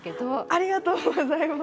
ありがとうございます。